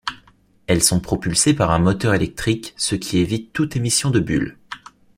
Elles sont propulsées par un moteur électrique ce qui évite toute émission de bulles.